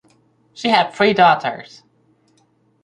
She had three daughters.